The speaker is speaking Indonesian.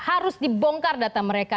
harus dibongkar data mereka